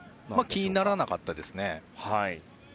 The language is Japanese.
気にならなかったですね。